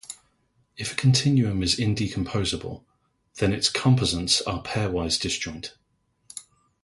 If a continuum is indecomposable, then its composants are pairwise disjoint.